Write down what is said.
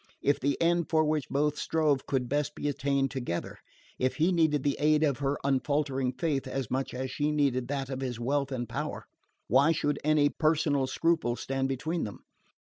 If the end for which both strove could best be attained together if he needed the aid of her unfaltering faith as much as she needed that of his wealth and power why should any personal scruple stand between them?